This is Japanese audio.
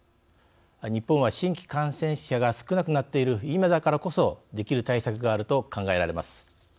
日本は新規感染者が少なくなっている今だからこそできる対策があると考えられます。